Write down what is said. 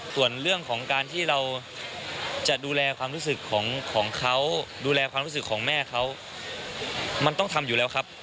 ส่วนเรื่องของการที่เราจะดูแลความรู้สึกของเขาดูแลความรู้สึกของแม่เขามันต้องทำอยู่แล้วครับ